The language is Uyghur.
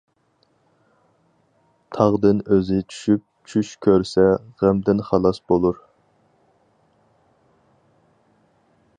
تاغدىن ئۆزى چۈشۈپ چۈش كۆرسە غەمدىن خالاس بولۇر.